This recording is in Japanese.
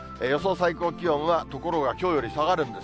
最高気温は、ところがきょうより下がるんです。